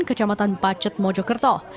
kecamatan pacet mojokerto